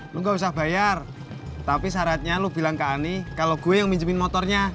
lo gak usah bayar tapi syaratnya lo bilang ke ani kalau gue yang minjemin motornya